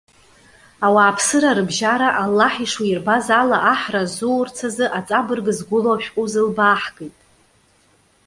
Ауааԥсыра рыбжьара Аллаҳ ишуирбаз ала аҳра рзуурц азы аҵабырг згәылоу ашәҟәы узылбааҳгеит.